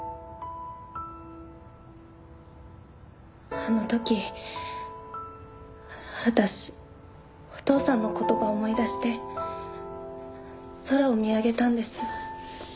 あの時私お父さんの言葉を思い出して空を見上げたんです。